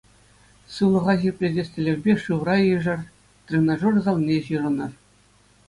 Сывлӑха ҫирӗплетес тӗллевпе шывра ишӗр, тренажер залне ҫырӑнӑр.